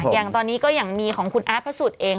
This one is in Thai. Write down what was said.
อย่างตอนนี้ก็อย่างมีของคุณอาร์ตพระสุทธิ์เอง